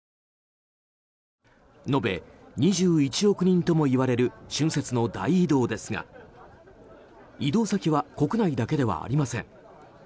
延べ２１億人ともいわれる春節の大移動ですが移動先は国内だけではありません。